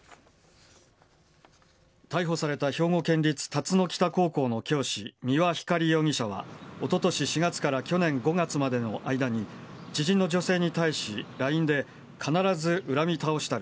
逮捕された兵庫県立龍野北高校の教師、三輪光容疑者は、おととし４月から去年５月までの間に、知人の女性に対し、ＬＩＮＥで、必ず恨み倒したる。